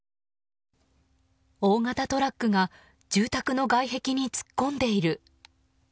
大型トラックが住宅の外壁に突っ込んでいる。